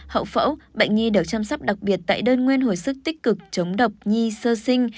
hậu phẫu bệnh nhi được chăm sóc đặc biệt tại đơn nguyên hồi sức tích cực chống độc nhi sơ sinh